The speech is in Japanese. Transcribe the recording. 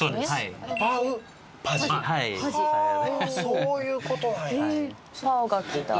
そういう事なんや。